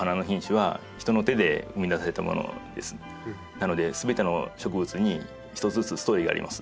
なのですべての植物に一つずつストーリーがあります。